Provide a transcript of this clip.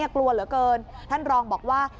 กลัวเหลือเกินท่านรองบอกว่า